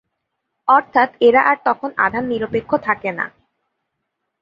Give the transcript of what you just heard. অর্থাৎ, এরা আর তখন আধান নিরপেক্ষ থাকে না।